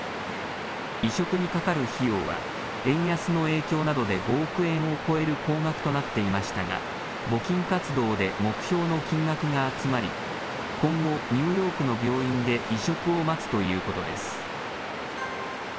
移植にかかる費用は、円安の影響などで５億円を超える高額となっていましたが、募金活動で目標の金額が集まり、今後、ニューヨークの病院で移植を待つということです。